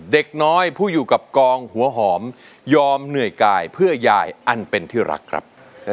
เด็กน้อยผู้อยู่กับกองหัวหอมยอมเหนื่อยกายเพื่อยายอันเป็นที่รักครับ